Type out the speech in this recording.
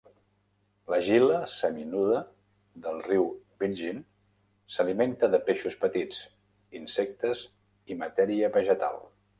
La gila seminuda del riu Virgin s'alimenta de peixos petits, insectes i matèria vegetal.